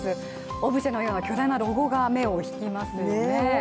オブジェのような巨大なロゴが目を引きますよね。